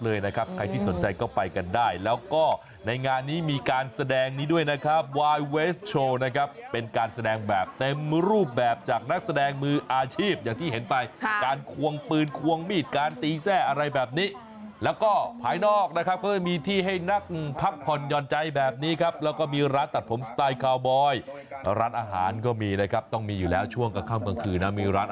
เป็นยังไงไปดูคาวบอยที่จเป็นยังไงไปดูคาวบอยที่จเป็นยังไงไปดูคาวบอยที่จเป็นยังไงไปดูคาวบอยที่จเป็นยังไงไปดูคาวบอยที่จเป็นยังไงไปดูคาวบอยที่จเป็นยังไงไปดูคาวบอยที่จเป็นยังไงไปดูคาวบอยที่จเป็นยังไงไปดูคาวบอยที่จเป็นยังไงไปดูคาวบอยที่จเป็นยังไงไปด